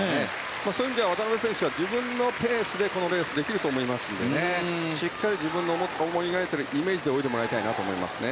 そういう意味では渡辺選手は自分のペースでこのレースできると思いますのでしっかり自分の思い描いたイメージで泳いでほしいですね。